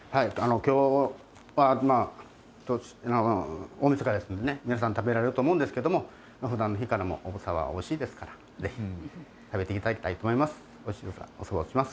きょうは大みそかですのでね、皆さん食べられると思うんですけれども、ふだんの日からもおそばはおいしいですから、ぜひ食べていただきたいと思います。